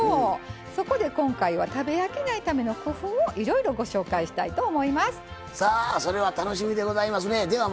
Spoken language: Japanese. そこで今回は食べ飽きないための工夫をいろいろご紹介したいと楽しみでございますね。